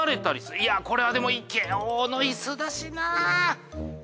いやこれはでもイケ王の椅子だしな。